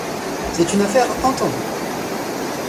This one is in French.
C’est une affaire entendue.